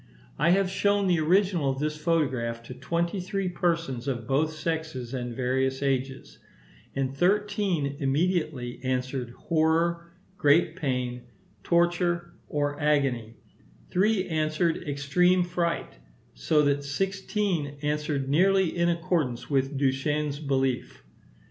I have shown the original of this photograph to twenty three persons of both sexes and various ages; and thirteen immediately answered horror, great pain, torture, or agony; three answered extreme fright; so that sixteen answered nearly in accordance with Duchenne's belief.